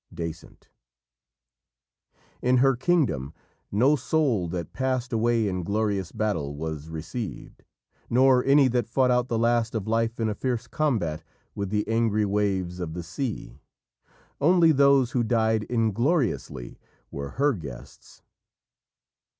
'" Dasent. In her kingdom no soul that passed away in glorious battle was received, nor any that fought out the last of life in a fierce combat with the angry waves of the sea. Only those who died ingloriously were her guests.